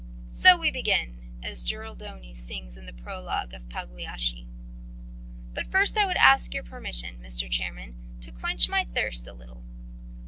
'So we begin,' as Giraldoni sings in the prologue to Pagliacci. "But first I would ask your permission, Mr. Chairman, to quench my thirst a little...